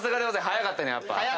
早かったよねやっぱ。